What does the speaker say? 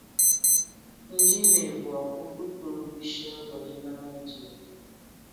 Ndinebuwakukutumbisha bwa dinanga diebe.